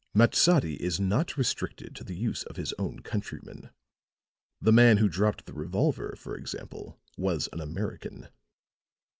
Matsadi is not restricted to the use of his own countrymen. The man who dropped the revolver, for example, was an American."